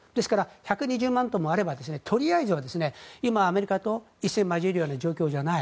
１２０万トンもあればとりあえずは今、アメリカと一戦を交えるような状況ではない。